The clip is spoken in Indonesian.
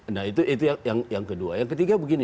nah itu itu yang yang kedua yang ketiga begini